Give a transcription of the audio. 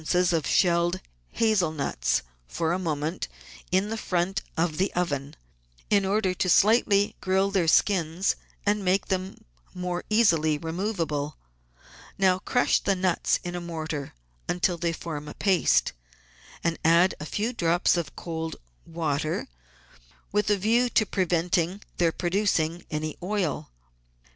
of shelled hazel nuts, for a moment, in the front of the oven, in order to slightly grill their skins and make them easily removable. Now crush the nuts in a mortar until they form a paste, and add a few drops of cold water with a view to preventing their producing any oil.